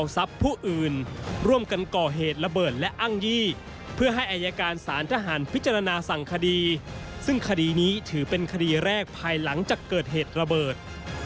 ซึ่งคดีซึ่งคดีนี้ถือเป็นคดีแรกภายหลังจากเกิดเหตุระเบิด